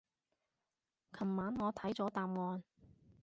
琴晚我睇咗答案